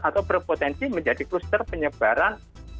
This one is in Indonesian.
atau berpotensi menjadi kluster penyebaran